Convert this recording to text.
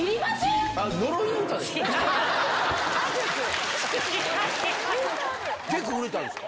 呪いの歌ですか？